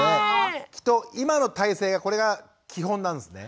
きっと今の体勢がこれが基本なんですね。